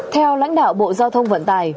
theo lãnh đạo bộ giao thông vận tải